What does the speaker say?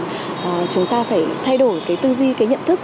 người ta phải thay đổi cái tư duy cái nhận thức